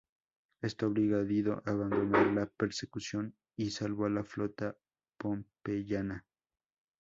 Esto obligó a Didio a abandonar la persecución y salvo a la flota pompeyana.